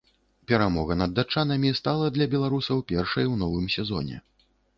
Перамога над датчанамі стала для беларусаў першай у новым сезоне.